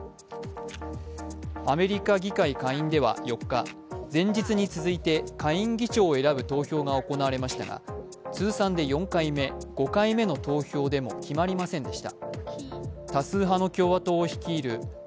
アメリカ議会下院では４日前日に続いて下院議長を選ぶ投票が行われましたが通算で４回目、５回目の投票でも決まりませんでした。